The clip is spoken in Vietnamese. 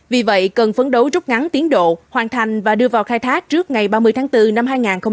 vì vậy cần phấn đấu rút ngắn tiến độ hoàn thành và đưa vào khai thác trước ngày ba mươi tháng bốn năm hai nghìn hai mươi